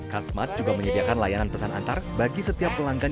kasmat juga menyediakan layanan pesan antar bagi setiap pelanggan